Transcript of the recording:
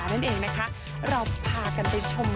อันนี้คือผมก่อนเข้าไปกันนะครับ